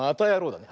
だね。